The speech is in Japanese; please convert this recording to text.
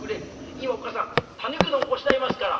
「今おっ母さんたぬきうどんこしらえますから」。